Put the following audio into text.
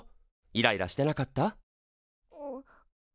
イライラしてなかった？